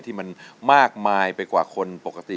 ที่มันมากมายไปกว่าคนปกติ